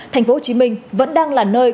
thành phố hồ chí minh vẫn đang là nơi